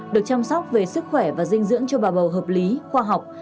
được chăm sóc về sức khỏe và dinh dưỡng cho bà bầu hợp lý khoa học